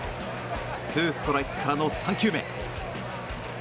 ツーストライクからの３球目。